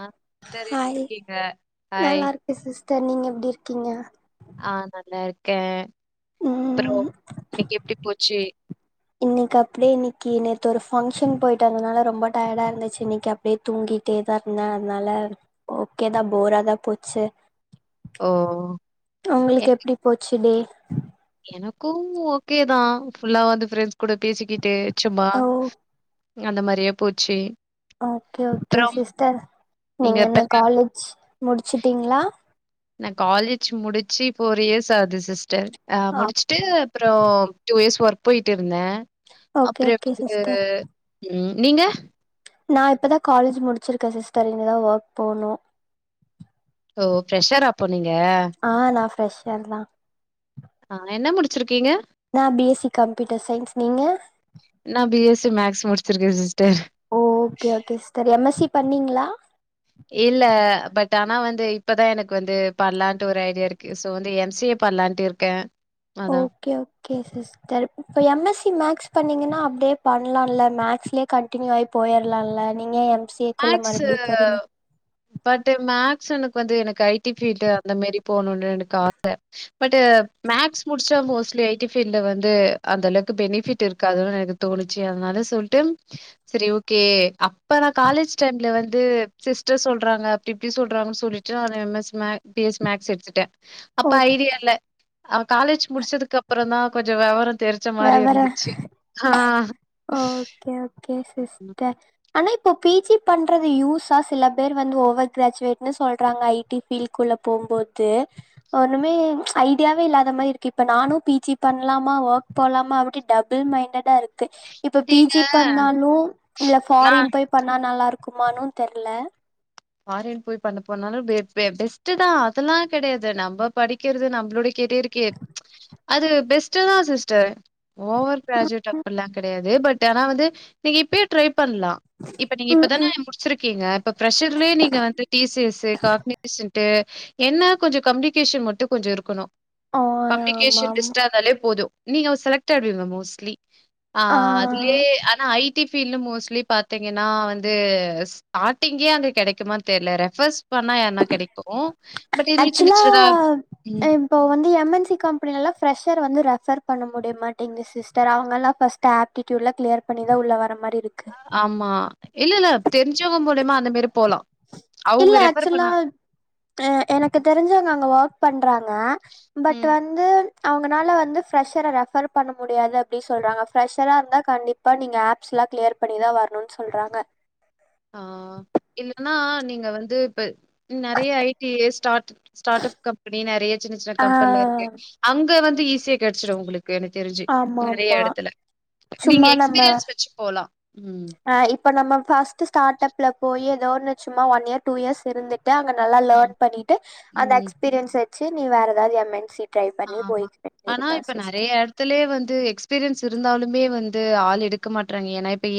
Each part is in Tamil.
ஆஹ் சிஸ்டர் எப்படி இருக்கீங்க ஹாய் அக்கா நீங்க எப்படி இருக்கீங்க ஆஹ் நல்லா இருக்கேன் அப்புறம் ம் இன்னைக்கு எப் போச்சி இன்னைக்கு அப்படியே இன்னைக்கு நேத்து ஒரு ஃபங்க்ஷன் போயிட்டந்தனால ரொம்ப டயர்டா இருந்துச்சு இன்னைக்கு அப்படியே தூங்கிட்டே தான் இருந்தேன் அதனால ஓக்கேதான் போரா தான் போச்சு ஓ! உங்களுக்கு என் எப்படி போச்சுடே எனக்கும் ஓக்கே தான் ஃபுல்லா வந்து ஃபிரெண்ட்ஸ் கூட பேசிக்கிட்டு சும்மா ஓ அந்த மாதிரியே போச்சு ஓக்கே ஓக்கே அப்புறம் சிஸ்டர் நீங்க என்ன காலேஜ் முடிச்சுட்டீங்களா நான் காலேஜ் முடிச்சு ஃபோர் இயர்ஸ் ஆகுது சிஸ்டர் ஆ முடிச்சுட்டு அப்புறம் டூஇயர்ஸ் ஒர்க் போயிட்டு இருந்தேன் ஓகே அப்புறம் ஓகே வந்து சிஸ்டர் உம் நீங்க நான் இப்பதான் காலேஜ் முடிச்சிருக்கேன் சிஸ்டர் இனிதான் ஒர்க் போனும் ஓ பெரெஷராப்போ நீங்க ஆ நா ஃப்ரெஷர் தான் ஆஹ் என்ன முடிச்சிருக்கீங்க நான் பி சி கம்ப்யூட்டர் சயின்ஸ் நீங்க சி மேக்ஸ் முடிச்சிருக்க சிஸ்டர் ஓ okay okay sister M S C பண்ணீங்களா இல்ல பட் ஆனா வந்து இப்பதான் எனக்கு வந்து பண்ணலான்ட்டு ஒரு ஐடியா இருக்கு சோ வந்து எம்சிஏ பண்ணலான்ட்டு இருக்கேன் அதான். ஓக்கே ஓக்கே சிஸ்டர் இப்ப எம்எஸ்சி மேக்ஸ் பண்ணீங்கன்னா அப்டியே பண்ணலாம்ல மேக்ஸ்லயே கண்டினியூ ஆகி போயிறலாம்ல நீங்க எ சே கொள்ள மேக்ஸு மறுபடி பாருங்க பட் மேக்ஸ் எனக்கு வந்து எனக்கு ஐ டி ஃபீல்டு அந்த மாரி போணும்னு எனக்கு ஆச பட்டு மேக்ஸ் முடிச்சு மோஸ்ட்லி ஐடி ஃபீல்டுல வந்து அந்த அளவுக்கு பெனிஃபிட் இருக்காது எனக்கு தோணுச்சு அதனால சொல்லிட்டு செரி ஓக்கே அப்ப காலேஜ் டைம்ல வந்து சிஸ்டர் சொல்றாங்க அப்டி இப்டி சொல்றாங்கன்னு சொல்லிட்டு அது எம்எஸ் மேக்ஸ் பிஎஸ் மேக்ஸ் எடுத்துட்டேன் ஓ அப்ப ஐடியா இல்ல ஆம் காலேஜ் முடிச்சதுக்கு அப்புறம் தான் கொஞ்சோ வெவர தெரிச்ச மாரி இருந்துச்சு ஆஹ் ஓக்கே ஓக்கே சிஸ்டர் ஆனா இப்போ பீஜி பண்றது யூஸா சில பேர் வந்து ஓவர் கிராஜுவேட்ன்னு சொல்றாங்க ஐடி ஃபீல்டடுக்குள்ள போம்போது ஒண்ணுமே ஐடியாவே இல்லாத மாரி இருக்கு இப்ப நானும் பீஜி பண்ணலாமா ஒர்க் போலாமா அப்டி டபுள் மைண்டடா இருக் ஹச்சு பீ நீங்க ஜி பண்ணாலும் இல்ல நான் ஃபாரின் போய் பண்ணாலும் நல்லா இருக்குமானு தெர்ல பாரின் போய் பண்ண போனாலும் பெஸ்ட் தான் அதெல்லாம் கிடையாது நம்ம படிக்கிறது நம்மளோட கெரியருக்கு அது பெஸ்ட் தான் சிஸ்டர் ஓவர் கஜட் அப்டிலாம் கிடையாது பட் ஆனா வந்து நீ இப்பே பண்லா இப்ப நீங்க ம் இப்பதானே ம் முடிச்சிருக்கீங்க இப்ப பிரஷர் ய நீங்க வந்து [inaudible] காக் னீசன்ட் என்ன கொஞ்சோ கம்னிகேஷன் மட்டும் கொஞ்சோ இருக்கணும் ஆ ஆமா கம்யூனிகேஷன் ஆமா பெஸ்டர்ந்தாலே போதும் நீங்க செலக்ட் ஆகிடுவிங்க மோஸ்ட்லி ஆ ஆஹ் அதுலே ஆனா அடி டிபில மோஸ்ட்லி பாத்தீங்கன்னா வந்து ஸ்டார்டிங்கே அந்த கெடைக்குமா தெர்ல ரெஃபர்ஸ் பண்ணா என்னா கெடைக்கும் ஆக்சுவலா ம். இப்போ வந்து எம்எண்ட சி கம்பெனில்ல ரெஷர் வந்து ரெஃபர் பண்ண முடிய மாட்டேங்குது சிஸ்டர் அவங்கல்லாம் ஃபர்ஸ்ட் ஆபிடூடல கிளியர் பண்ணிதான் உள்ள வர மாதிரி ஆமா இல்ல இல்ல தெரிஞ்சவங்க மூலையுமா [unintelligible] இல்ல ஆக்சுவல்லா ஆஹ் எனக்கு தெரிஞ்சவங்க அங்க ஒர் றாங்க பட் ம். வந்து அவங்கனால வந்து ஃப்ரெஷரை ரெஃபர் பண்ண முடியாது அப்படின்னு சொல்றாங்க ஃப்ரெஷரா இருந்தா கண்டிப்பா நீங்க ஆப்ஸ்ல்லாம் கிளியர் பண்ணிதான் வரணும்னு சொல்றாங்க ஆஹ் இல்லன்னா நீங்க வந்து இப்ப நெறைய ஐடிஸ் ஸ்டார்ட் ஸ்டார்ப் கம்பெனி நெறைய சின்ன சின்ன ஆ கம்பெனில இருக்கு அங்க வந்து ஈஸியா கிடைச்சிடும் உங்களுக்கு என தெரிஞ்சு ஆமா நெறைய ஆமா இடத்துல நீங்க சும்மா நம்ம எக்ஸ்பீரியன்ஸ் வச்சு போலாம் உம் இப்போ நம்மஃபர்ஸ்ட்ஸ்டார்டப்ல போய் ஏதோன்னுச்சும்மா ஒன் இயர் டூ இயர்ஸ் இருந்துட்டு அங்க நல்லா ஆ. லர்ன் பண்ணிட்டு அந்த ம். எக்ஸ்பீரியன்ஸ் எடு நீ வேற ஏதாவது எம் எம்ன்சி ஆமா ஆனா இப்ப நெறைய இடத்துலயே வந்து எக்ஸ்பீரியன்ஸ் இருந்தாலுமே வந்து ஆள் எடுக்க மாட்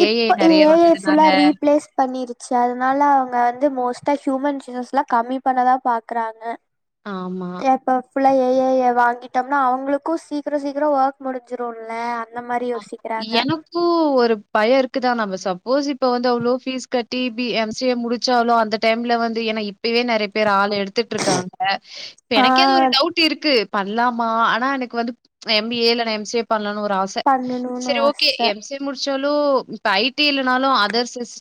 இப்ப ஏஐ ஃபுல்லா ரீப்ளேஸ் பண்ணிருச்சு அதனால அவுங்க வந்து மோஸ்ட் ஹியூமன் ரிசோர்ஸ் எலாம் கம்மி பண்ணதான் பாக்குறாங்க ஆமா இப்ப ஃபுல்லா ஏஐ யை வாங்கிட்டோம்னா அவுங்கக்கும் சீக்கிரம் சீக்கிரம் ஒர்க் முடிஞ் எனக்கு ஒரு பயம் இருக்குதான் நம்ம சப்போஸ் இப்ப வந்து அவ்வளோ பபீஸ் கட்டி எம்சிஏ முடிச்சளோ அந்த டைம்ல வந்து ஏன்னா இப்பவே நெறைய பேர் ஆள் எடுத்துட்டு இருக்காங்க இப்ப ஆ எனக்கே ஒரு டவுட் இருக்கு பண்ணலாமா ஆனா எனக்கு வந்து எம்பிஏ இல்ல எம்சிஏ பண்ணனும் ஆச பண்ணணும்னு சரி ஓகே ஆச எம்சிஎ முடிச்சு தாலு இப்ப ஐடி இல்னாலும அதர் சிஸ்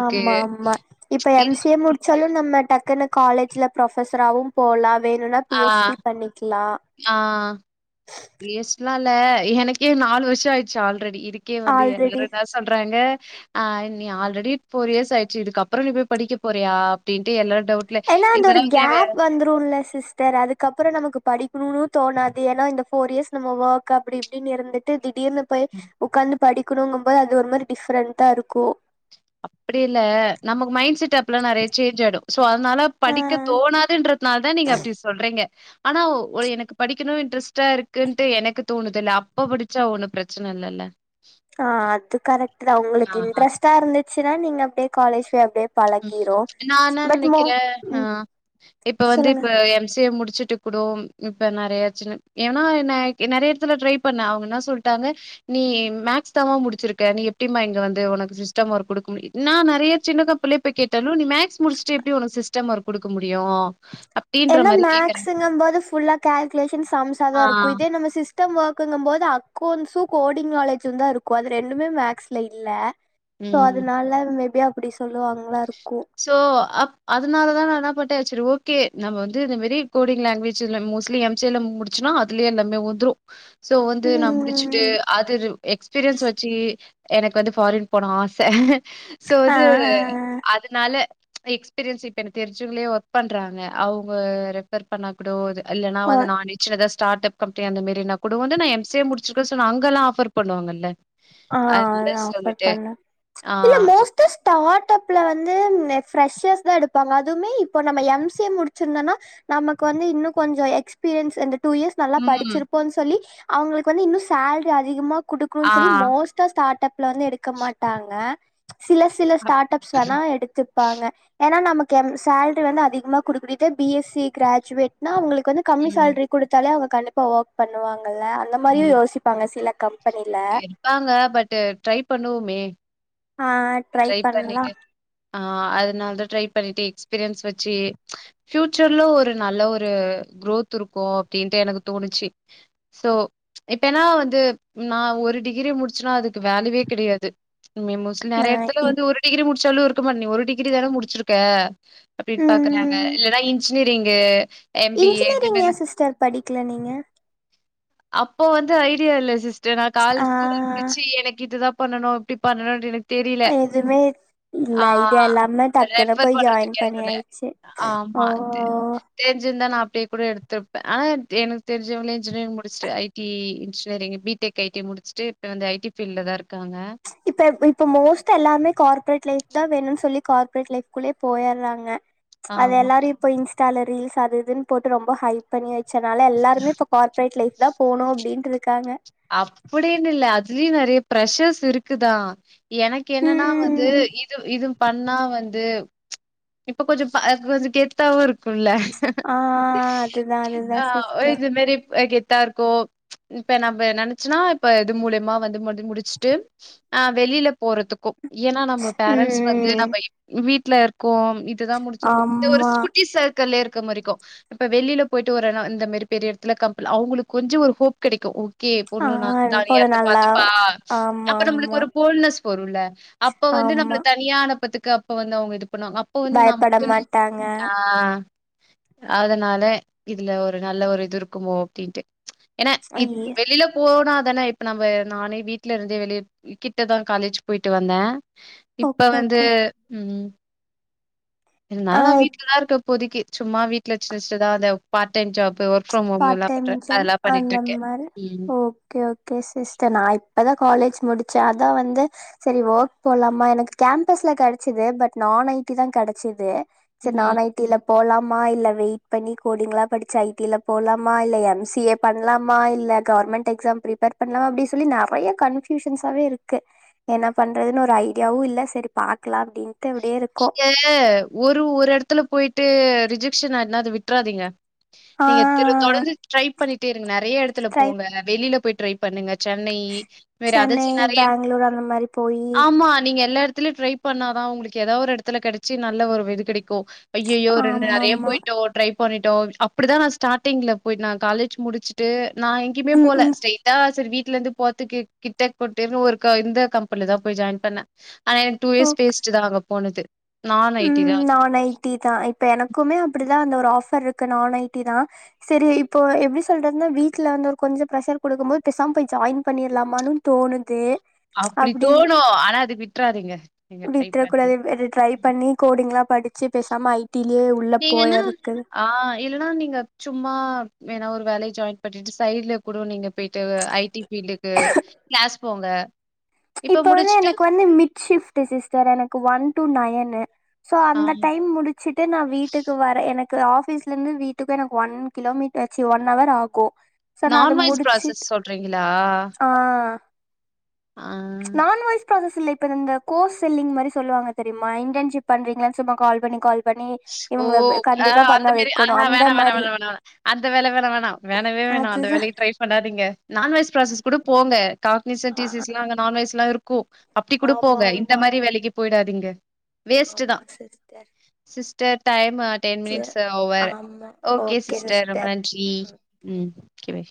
ஆமா ஆமா இப்ப இன் எம்சிஏ முடிச்சாலும் நம்ம டக்குனு காலேஜில பிரொஃபஸராவும் போல வேணும்னா பிஹெச்டி பண்ணிக்கலாம் ஆஹ் பேசலாம்ல எனக்கே நாலு வருஷம் ஆயிடுச்சு ஆல்ரெடி இதுக்கே வந்து ஆல்ரெடி எல்லாரும் தான் சொல்றாங்க ஆஹ் நீ ஆல்ரெடி போர் இயர்ஸ் ஆயிச்சு இதுக்கப்புறம் நீ போய் படிக்க போறியா அப்படின்ட்டு எல்லாரும் ஏன்னா அந்த ஒரு கேப் வந்துரும்ல சிஸ்டர் அதுக்கப்புறம் நமக்கு படிக்கணும்ன்னனு தோணாது ஏன்னா இந்த போர் இயர்ஸ் நம்ம ஒஓர்க் அப்படி இப்படின்னு இருந்துட்டு திடீர்னு போய் உக்காந் படிக்கணுங்கும்போது அது ஒரு மாதிரி டிஃபரெண்டா இருக்கு அப்டி இல்ல நமக்கு மைண்ட் செட் அப்பல்லா நெறைய சேஞ்ச் ஆயிடு சோ அதனால ஆ படிக்க தோணாதுன்றதுனால தான் நீங்க அப்படி சொல்றீங்க ஆனா எனக்கு படிக்கணும் இன்ட்ரெஸ்ட்டா இருக்குன்ட்டு எனக்கு தோணுது இல்ல அப்ப படிச்சா ஒண்ணும் பிரச்சனை இல்லல்ல ஆஹ் அது கரெக்ட் தான் ஆ உங்களுக்கு ஆ இன்ட்ரெஸ்ட்டா இருந்து ச்சா நீங்க அப்படியே காலேஜ் ல அப்படியே நா என்ன நெனைக்கிறே ம் ஆஹ் இப்ப வந்து சொல்லுங்க இப்ப எம் சி ஏ முடிச்சுட் இப்பகூடோம் இப்ப நறைய சின்ன ஏன்னா நறைய எடத்துல ட்ரை பண்ணங்க என்ன சொல்லிட்டாங்க நீ மேக்ஸ் தாமா முடிச்சிருக்க நீ எப்படிமா இங்க வந்து உனக்கு சிஸ்டம் வொர்க் கொடுக்க முடியும் நா நெறைய சின்ன தாப்பலே கேட்டாலும் நீ மேக்ஸ் முடிச்சுட்டு எப்படி ஒனக்கு சிஸ்டம் ஒர்க் குடுக்க முடியும் அப்டின்ற ஏன்னா மாரி மேக்ஸ் கேக்குறாங்க. சிங்ம் போது புல்லா கல்குலேஷன் சம்ஸா ஆ. தான் இருக்கும் இதே நம்ம சிஸ் சிஸ்டம் ஒர்க்குங்கும்போது அக்கௌண்ட்ஸும் கோடிங் நாலேஜும் தான் இருக்கும் அது ரெண்டுமே மேக்ஸ்ல இல்ல சோ ம். அதுனால மேபி அப்படி சொல்லுவாங்களாம் இருக் சோ அப் அதனாலதான் நான் என்ன பண்டேன் சரி ஓகே நம்ம வந்து இந்த மாரி கோடிங் லாங்குவேஜ் மோஸ்ட்லி எம்சேல முடிச்சு அதுலயே எல்லாமே வந்துடும் சோ வந்து நா முடிச்சுட்டு ம் அது ரு எக்ஸ்பீரியன்ஸ் வச்சு எனக்கு வந்து ஃபாரின் போனும் ஆச சோ ஆ அது அது ப்பா எக்ஸ்பீரியன்ஸ் இப்பக்கு தெரிஞ்சவங்கலே ஒர்க் பண்றாங்க அவங்க ரெபர் பண்ண கூட அது இல்ல நான் ஆ வந்து நான் வச்சுத ஸ்டாடப் கம்பெனி அந்தமேரி நா கூட வந்து நான் எம்சிஏ முடிச்சிருக்க சோ நா அங்கலா ஆஃபர் பண்ணுவாங்கல்ல. அதனால ஆஹ ஆஃபர் சொல்லிட்டு பண்ணு ஆ. ம்ச் இல்ல மோஸ்ட்டஸ். டாட்டப்ல வந்து ப்ரெஷஸ் தான் எடுப்பாங்க அதுவுமே இப்போ நம்ம எம் சி ஏ முடிச்சிருந்தோனா நமக்கு வந்து இன்னும் கொஞ்சம் எக்ஸ்பீரியன்ஸ் வ டூ இயர்ஸ் நல்லா ம். படிச்சிருப்போனு சொல்லி. அவங்களுக்கு வந்து இன்னும் சேல்ரி அதிகமா குடுக்குன்னு ஆ. சொல்லி. பஸ்டே ஸ்டார்ட் அஃப். இதுல வந்து எடுக்க மாட்டாங்க. சில சில ஸ்டார்ட் அப்ஸ் வேணா எடுத்துப்பாங்க ஏன்னா நமக்கு ம்ச். கெம் சேலரி வந்து அதிகமாக கொடுக்கனு இதுவே பிஎஸ்சி கிராஜுவேட்னா அவங்களுக்கு. வந்து கம்மி ம். சேல்ரி கொடுத்தாலே அவங். கண்டிப்பா ஓர்க் பண்ணுவாங்க. அந்த ம். மாரியும் யோசிப்பாங்க சில கம்பெனில. இருப்பாங்க. பட் ட்ரை பண்ணுவுமே. ஆஹ ட்ரை பண்ல்லா. ஆஹ அதனாலதான் ட்ரை பண்ணிட்டு எக்ஸ்பீரியன்ஸ் வச்சு ஃபியூச்சர்ல ஒரு நல்ல ஒரு குரோத் இருக்கோ அப்டின்ட்டு எனக்கு தோணுச்சு. சோ ம்ச் இப்பன்னா வந்து நான் ஒரு டிகிரி முடிச்சுனா அதுக்கு வேலிவுவே கிடையாது. மே ஆ முசுலரேன். இப் வந்து ஒரு டிகிரி. முடிச்சாலும் இருக்குமா நீ ஒரு டிகிரி தானே முடிச்சிருக்க. அப்டின்னு பாக்குறாங்க ம் இல்லனா இன்ஜி. சேரிங்க. இன்ஜினியரிங் ஏன் சிஸ்டர் படிக்கல நீங்க அப்போ வந்து ஐடியா இல்ல சிஸ். நா கால்ல ஆ ஸ்கூல் முடிச்சு எனக்கு இதுதான். பண்ணணும் இப்படி பண்ணணும் எனக்கு தெரியல. எதுவுமே ஆ இல்ல இது எல்லாமே டக்குனு ரெஃபர் போய் ஜாயின் பண்றதுக்கு எதுல பண்ணியாச்சு ஆமா. ஓ. தெ தெரிஞ்சிருந்தா நான் அப்படியே கூட எடுத்துப்பன் எனக்கு தெரிஞ்சவங்களே இன்ஜினியரிங் முடிச்சுட்டு ஐடி இன்ஜினியரிங் பீடெக் ஐடி முடிச்சுட்டு இப்போ வந்து ஐடி ஃபீல்ல தான் இருக்காங்க. ம்ச் இப்ப இப்ப மோஸ்ட் எல்லாருமே கார்பரேட் லைஃப் தான் வேணுன்னு சொல்லி கார்பரேட் லைஃப்குள்ளயே போயிறாங்க. ம்ச் அது ஆமா. எல்லாரும் இப்ப இன்ஸ். சேலரீல்ஸ் அது இதுன்னு போட்டு ரொம்ப ஹை பண்ணியாச். சனால எல்லாருமே இப்ப கார்பரேட் லைஃப். தா போனு அப்டின்ருக்காங்க அப்படினு இல்ல அதுலயும் நிறைய ப்ஷர்ஸ் இருக்குதான் எனக்கு என்னன்னா வந்து ம் இது இது பண்ணா வந்து இப்ப கொஞ்சம் ஆஹ் கொஞ்சம் கேத்தாவும் இருக் குல்ல ஆ அதுதா அதுதா ஆஹ் ஒ சிஸ்டர் இது மேரி கெத் இருக்கோ இப்ப நம்ப நினைச்சுன்னா இப்ப இது மூலியமா வந்து முடி முடிச்சுட்டு ஆஹ் வெளியில போறதுக்கும் ஏன்னா நம்ப பேரண்ட்ஸ் வந்து ம் நம்ப இப் வீட் இட்ளர் கோம் இதுதா முடிச்சிருக்கும் த ஒருஸ் ஆமா குட்டி சர்க்கலிர் முருக்கும் இப்ப வெளியில போயிட்டு ஒரு இந்த மாரி பெரிய இடத்துல கப்ல் அவங்களுக்கு கொஞ்ச ஒரு ஹோப் கிடைக்கும் ஓகே ஆ பொண்ணு நான் போட தனியார நல்லா பாத்துப்பா ஆமா அப்ப நம்மளுக்கு ஆமா ஒரு போல்னஸ் வரும்ல்ல அப்ப வந்து நம்மள ஆமா தனியானப்பத்து அப்ப வந்து அவங்க இது அப்ப வந்து பயப்பட நமக்கு மாட்டாங்க ஆஹ் அதனால இதுல ஒரு நல்ல ஒரு இது இருக்குமோ அப்படின்ட்டு ஏன்னா இப் ஐய வெளியில போனா தானே இப்ப நம்ம நானே வீட்டு்ல இருந்தே வெளிய கிட்டதான் காலேஜ் போயிட்டு வந்தேன் இப்ப ஓகே வந்து ஓகே உம் இருந்தாலும் ஆ நான் வீட்டுலதான் இருக்க போதிக்கு சும்மா வீட்ல சின்ன சின்னதாந்த part time job work from ஹோம்லாம் பார்ட்டைம் பண்றேன். ஜாப் அதெல்லாம் அந்த பண்ணிட்டுருக்கேன். மாரி ம். ஓகே ஓகே சிஸ்டர் நா இப் இப்பதான் காலேஜ் முடிச்சேன் அதான் வந்து சேரி ஒர்க் போலாமா எனக்கு கேம்பஸ்ல கிடைச்சுது பட் நான் ஐடி தான் கிடைச்சுது சரி ம். நான் ஐ டி ல போலாமா இல்ல வெயிட் பண்ணி கோடிங்லாம் படிச்சு ஐ டி ல போலாமா இல்ல எம் சி ஏ பண்ணலாமா இல்ல கவர்மெண்ட் எக்ஸாம் பிப்பேர் பண்ணலாமா அப்படின்னு சொல்லி நிறைய கன்ஃபயூஷன்னாவே இருக்கு என்ன பண்றதுன்னு ஒரு ஐடியாவும் இல்ல சரி பாக்கலாம் அப்படின் நீங்க ஒரு ஒரு எடத்துல போயிட்டு ரிஜெக்ஷன் ஆயனா அத விட்டுறாதீங்க ஆ நீங்க திரு தொடர்ந்து ட்ரை பண்ணிட்டே இருக் நிறைய இடத்துல ட்ரை போங்க வெளியில போயிட் ட்ரை பண்ணுங்க சென்னை மே சென்னை அதர்சி நிறைய பேங்ளூர் அந்த மாரி போயி ஆமா நீங்க எல்லா துலா ட்ரை பண்ணாதான் உங்களுக் ஏதாவ ஒரு இடத்துல கிடைச்சி நல்ல ஒரு இது கிடைக்கும் அய்யயோ ரெண்டு நிறைய ஆமாமா போயிட்டோ ட்ரை பண்ணிட்டோ அப்டிதா நா ஸ்டாட்டிங்ல போயிட் நா காலேஜ் முடுச்சுட்டு நா எங்கயுமே ம் போல ம் ஸ்ட்ரைட்டா சரி வீ்ட் வீட்லந்து போறதுக்கு கிட்டக் போட்டுனு ஒரு க இந்த கம்பெனில தா போய் ஜாயின் பண்ண ஆ இன் டூ இயர்ஸ் பேசிட்டுதா அங்க போனது நான் ஐடி உம் தான் அதுவும். நான் ஐ டி தா இப்ப எனக்குமே அப்டிதா அந்த ஒரு ஆஃபர் இருக்கு நான் ஐ டி தா சரி இப்போ எப்டி சொல்றதுனா வீட்ல வந்து ஒரு கொஞ்சோ ப்ரஷர் குடுக்கும் போது பேசாம போய் ஜாயின் பண்ணிறலாமான்னும் தோணுது அப்டி தோணு ஆனா அது விட்றாதீங்க நீங்க ட்ரை பண்ணுங்க நியூ கோடிங்லா படித்து நீங்கன்னா ஆ இல்லனா நீங்க சும்மா வேணா ஒரு வேலக்கி ஜாயின் பண்ணிட்டு சைட்ல கூட நீங்க போயிட்டு ஐ டி ஃபீல்டுக்கு க்ளாஸ் போங்க இப்ப வந்து எனக்கு வந்து மிட் ஷிஃப்ட்டு சிஸ்டர் எனக்கு ஒன் டு நயனு சோ ஆ அந்த டைம் முடிச்சிட்டு நா வீட்டுக்கு வர எனக் து ஆஃபீஸ்லெந்து வீட்டுக்கு எனக்கு ஒன் கிலோமீட்டர் சீ ஒன் அவர் ஆகு சோ நா நான் அத வாய்ஸ் முடிச்சு ப்ராசஸ் சொல்றீங்களா ஆ ஆ நான் வாய்ஸ் ப்ராசஸ் இல்ல இப்ப இந்த கோர்ஸ் செல்லிங் மாரி சொல்லுவாங்க தெரியுமா இன்டர்ன்ஷிப் பண்றீங்களான்னு சும்மா கால் பண்ணி கால் பண்ணி ஓ இவங்கள வ அ கண்டிப்பா அந்த பண்ண மேரி ஆன வைக்கணு ஹா அந்த வேணா வேணா மாரி வேணா வேணா வேண அந்த வேல வேணா வேணா வேணவே வேணா அந்த அதுதா வேலைக்கு ட்ரை பண்ணாதீங்க நான்வாய்ஸ் ப்ராசஸ் கூட போங்க காக்னிசென்ட் டி ஆ சி எஸ் லா அங்க நான்வெஜ்லா இருக் கூ அப்டி கூட ஆமா போங்க இந்த ஆமா மாரி வேலைக்கு போயிடா எங்க ஆமா சரித்தெ சிஸ்டர் டயம் ம்மா ten minutes over okay sister ரொம்ப நன்றி ம் ஓகே பாய்